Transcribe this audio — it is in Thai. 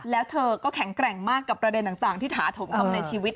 แล้วเธอก็แข็งแกร่งมากกับประเด็นต่างที่ถาถมทำในชีวิต